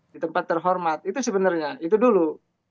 di tempat terhormat itu sebenarnya itu dulu